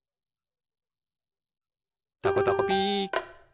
「たこたこピー」